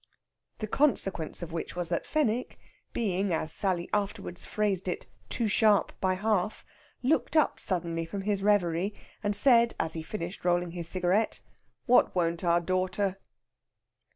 The consequence of which was that Fenwick being, as Sally afterwards phrased it, "too sharp by half" looked up suddenly from his reverie, and said, as he finished rolling his cigarette, "What won't our daughter?"